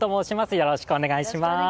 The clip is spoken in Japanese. よろしくお願いします。